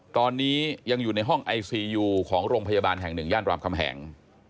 ตอนนี้ยังอยู่ในห้องไอซียูของโรงพยาบาลแห่งหนึ่งย่านรามคำแหง